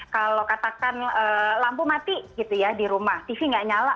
kalau katakan lampu mati gitu ya di rumah tv nggak nyala